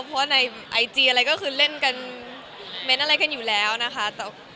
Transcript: เพราะว่าในไอจีอะไรก็คือเล่นกันเม้นอะไรกันอยู่แล้วนะคะ